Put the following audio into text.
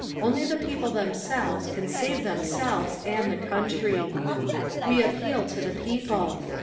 Only the people themselves can save themselves and the country. "We appeal to the people.